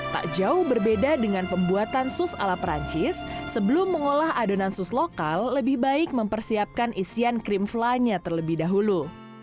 tak jauh berbeda dengan pembuatan sus ala perancis sebelum mengolah adonan sus lokal lebih baik mempersiapkan isian krim flan nya terlebih dahulu